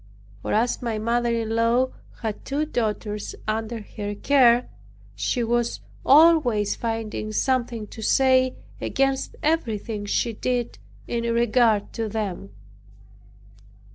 For as my mother in law had two daughters under her care, she was always finding something to say against everything she did in regard to them.